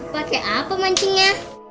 pakai apa pancingnya